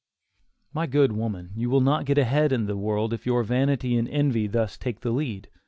My good woman you will not get ahead in the world, if your vanity and envy thus take the lead.